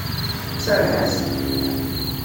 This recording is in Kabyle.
Serreḥ-as!